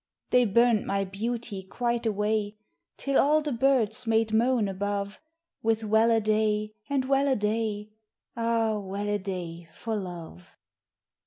They burned my beauty quite away, Till all the birds made moan above, With well a day and well a day Ah 1 well a day for love.